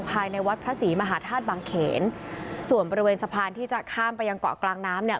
ภายในวัดพระศรีมหาธาตุบางเขนส่วนบริเวณสะพานที่จะข้ามไปยังเกาะกลางน้ำเนี่ย